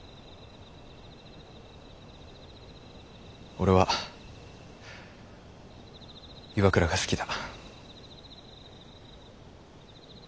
俺は岩倉が好きだ。